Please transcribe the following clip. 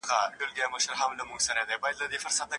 د مطالعې عادت د ذهن د فعالیت د پیاوړتیا لپاره اړین دی.